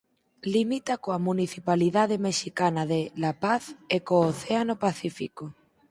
Limita coa municipalidade mexicana de La Paz e co Océano Pacífico.